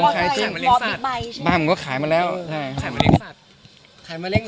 มาเล่งสัตว์บ๊ายมรึงก็ขายมาแล้วขายมาเล่งหรือเปล่า